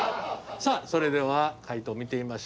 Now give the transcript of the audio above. さあそれでは解答を見てみましょう。